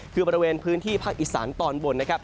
คือบริเวณพื้นที่ภาคอีสานตอนบนนะครับ